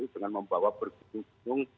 tapi dengan membawa berikut